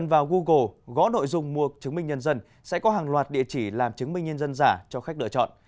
vào google gõ nội dung mua chứng minh nhân dân sẽ có hàng loạt địa chỉ làm chứng minh nhân dân giả cho khách lựa chọn